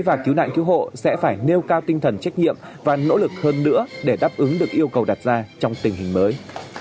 và cứu nạn cứu hộ sẽ phải nêu cao tinh thần trách nhiệm và nỗ lực hơn nữa để đáp ứng được yêu cầu đặt ra trong tình hình mới